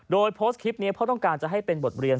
โดยโพสต์คลิปนี้เพราะต้องการจะให้เป็นบทเรียน